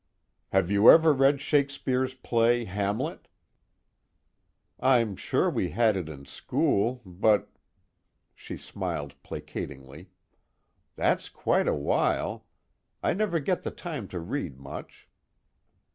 "Have you ever read Shakespeare's play Hamlet?" "I'm sure we had it in school, but " she smiled placatingly "that's quite a while. I never get the time to read much."